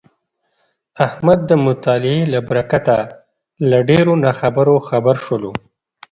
احمد د مطالعې له برکته له ډېرو ناخبرو خبر شولو.